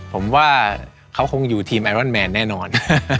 ผมว่าเขาคงอยู่ทีมไอรอนแมนแน่นอน